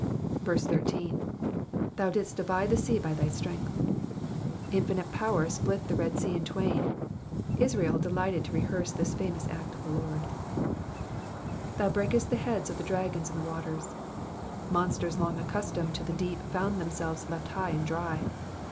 18. "*Thou didst divide the sea by thy strength,'*'* Infinite power split the Red 8ea in twain. Israel delighted to rehearse this famous act of the Lord. '^Thou hrakeHt the heads of the dragons in the waters."*^ Monsters long accustomed to the deep found themselves left high and dry.